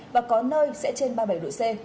và có nơi sẽ trên ba mươi bảy độ c